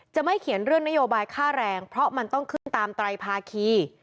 จะไม่เขียนเรื่องนโยบายค่าแรงเพราะมันต้องขึ้นตามไตรภาคี